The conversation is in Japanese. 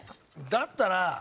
だったら。